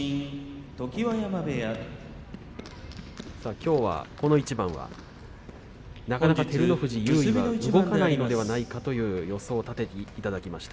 きょうはこの一番はなかなか照ノ富士、優位が動かないのではないかという予想を立てていただきました。